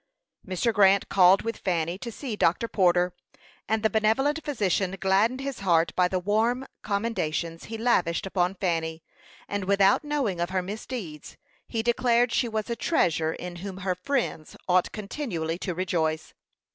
Mr. Grant called with Fanny to see Dr. Porter; and the benevolent physician gladdened his heart by the warm commendations he lavished upon Fanny; and, without knowing of her misdeeds, he declared she was a treasure in whom her friends ought continually to rejoice.